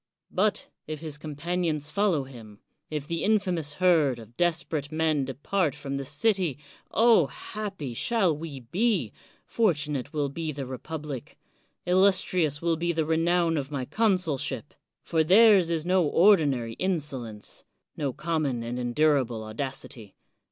But if his companions follow him, — ^if the in famous herd of desperate men depart from the city, oh ! happy shall we be, fortunate will be the republic, illustrious will be the renown of my consulship. For theirs is no ordinary insolence, — ^no common and endurable audacity.